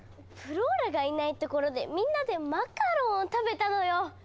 フローラがいないところでみんなでマカロンを食べたのよ！